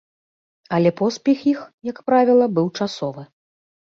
Але поспех іх, як правіла, быў часовы.